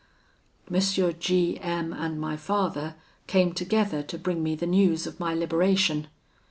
"M. G M and my father came together to bring me the news of my liberation.